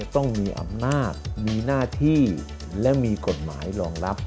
ต้องมีอำนาจมีหน้าที่และมีกฎหมายรองรับ